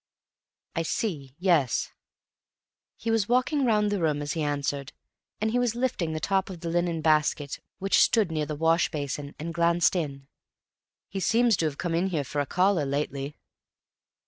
"I see. Yes." He was walking round the room as he answered, and he lifted the top of the linen basket which stood near the wash basin and glanced in. "He seems to have come in here for a collar lately."